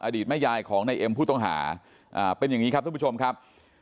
อดีตแม่ยายของนายเอ็มผู้ต้องหาเป็นอย่างนี้ครับทุกผู้ชมครับ